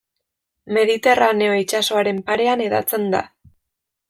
Mediterraneo itsasoaren parean hedatzen da.